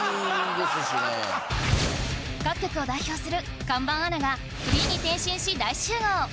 各局を代表する看板アナがフリーに転身し大集合！